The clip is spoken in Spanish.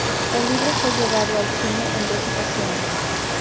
El libro fue llevado al cine en dos ocasiones.